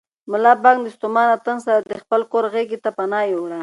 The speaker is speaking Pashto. ملا بانګ د ستومانه تن سره د خپل کور غېږې ته پناه یووړه.